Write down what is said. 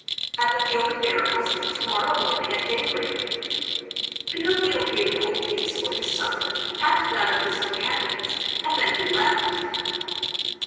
"At the Field of Miracles, to morrow morning at daybreak." Pinocchio paid a gold piece for his supper and that of his companions and then he left.